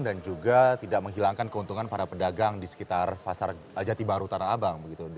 dan juga tidak menghilangkan keuntungan para pedagang di sekitar pasar jati baru tanah abang